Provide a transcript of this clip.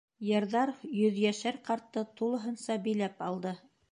Йырҙар йөҙйәшәр ҡартты тулыһынса биләп алды.